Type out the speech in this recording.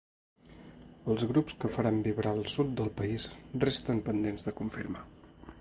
Els grups que faran vibrar el sud del país resten pendents de confirmar.